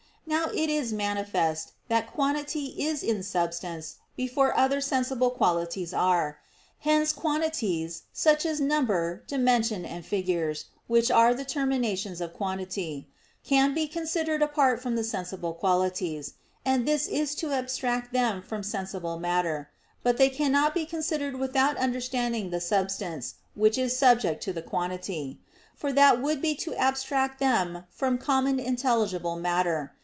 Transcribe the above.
Now it is manifest that quantity is in substance before other sensible qualities are. Hence quantities, such as number, dimension, and figures, which are the terminations of quantity, can be considered apart from sensible qualities; and this is to abstract them from sensible matter; but they cannot be considered without understanding the substance which is subject to the quantity; for that would be to abstract them from common intelligible matter.